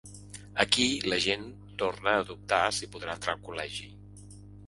Aquí l’agent torna a dubtar si podrà entrar al col·legi.